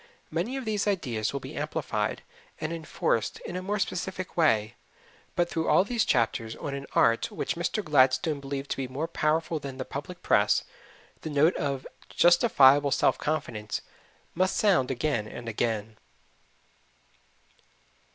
Many of these ideas will be amplified and enforced in a more specific way; but through all these chapters on an art which Mr. Gladstone believed to be more powerful than the public press, the note of justifiable self confidence must sound again and again.